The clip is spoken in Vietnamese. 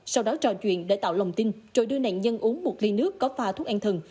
sau đó trò chuyện để tạo lòng tin rồi đưa nạn nhân uống một ly nước có pha thuốc an thần